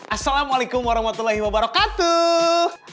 assalamualaikum warahmatullahi wabarakatuh